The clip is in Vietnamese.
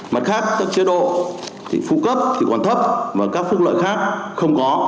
mặt khác các chế độ phụ cấp thì còn thấp và các phụ lợi khác không có